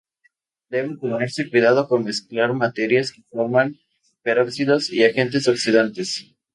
Debe tenerse cuidado con mezclar materiales que forman peróxidos y agentes oxidantes.